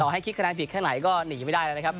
ให้คิดคะแนนผิดแค่ไหนก็หนีไม่ได้แล้วนะครับ